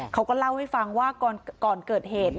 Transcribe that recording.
เขาก็เล่าให้ฟังว่าก่อนเกิดเหตุ